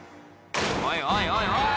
「おいおいおいおい